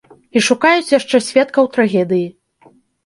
І шукаюць яшчэ сведкаў трагедыі.